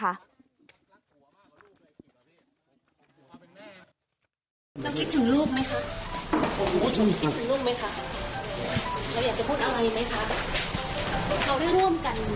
เราคิดถึงลูกไหมคะ